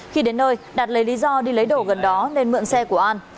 khi đến nơi đạt lấy lý do đi lấy đồ gần đó lên mượn xe của an